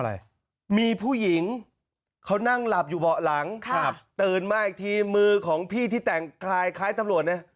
อะไรมีผู้หญิงเขานั่งหลับอยู่เบาะหลังครับตื่นมาอีกทีมือของพี่ที่แต่งคลายคล้ายตำรวจเนี่ย